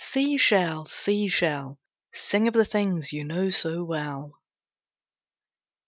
Sea Shell, Sea Shell, Sing of the things you know so well.